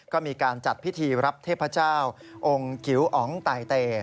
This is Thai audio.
ก็มีการจัดพิธีรับเทพเจ้าองค์กิ๋วอ๋องไตเต